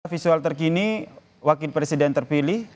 visual terkini wakil presiden terpilih